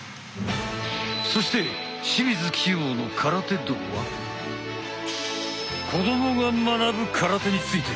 そして「清水希容の空手道」は「子どもが学ぶ空手」について。